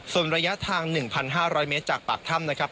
ส่วนระยะทาง๑๕๐๐เมตรจากปากถ้ำนะครับ